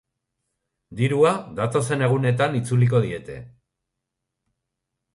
Dirua datozen egunetan itzuliko diete.